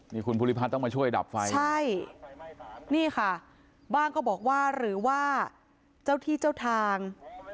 นี่คุณภูริพัฒน์ต้องมาช่วยดับไฟใช่นี่ค่ะบ้างก็บอกว่าหรือว่าเจ้าที่เจ้าทาง